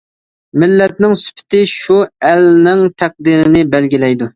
مىللەتنىڭ سۈپىتى شۇ ئەلنىڭ تەقدىرىنى بەلگىلەيدۇ.